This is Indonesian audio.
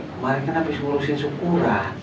kemarin kan abis ngurusin syukuran